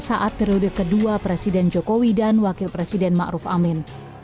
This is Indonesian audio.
saat periode kedua presiden jokowi dan wakil presiden ma'ruf amin